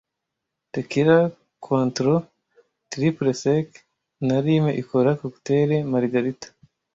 Tequila Cointreau (triple sec) na lime ikora cocktail Margarita